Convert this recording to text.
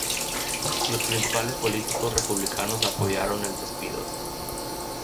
Los principales políticos republicanos apoyaron el despido.